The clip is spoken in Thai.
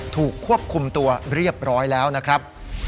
ถูกควบคุมตัวเรียบร้อยแล้วนะครับ